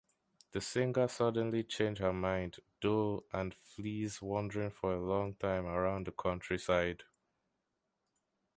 The singer suddenly change her mind, though, and flees wandering for a long time around the countryside.